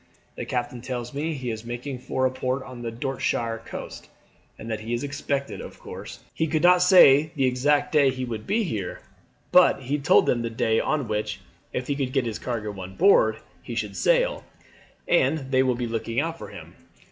The captain tells me he is making for a point on the Dorsetshire coast, and that he is expected. Of course he could not say the exact day he would be here. But he told them the day on which, if he could get his cargo on board, he should sail, and they will be looking out for him."